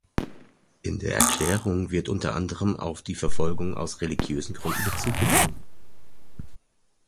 In der Erklärung wird unter anderem auf die Verfolgung aus religiösen Gründen Bezug genommen.